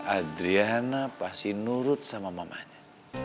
adriana pasti nurut sama mamanya